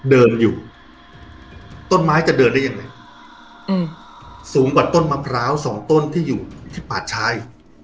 เดินอยู่ต้นไม้จะเดินได้ยังไงอืมสูงกว่าต้นมะพร้าวสองต้นที่อยู่ที่ป่าชาย